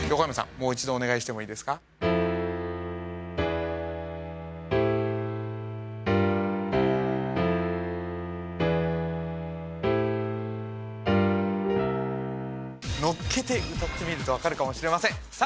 もう一度お願いしてもいいですか乗っけて歌ってみると分かるかもしれませんさあ